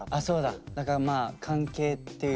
だからまあ関係っていうかね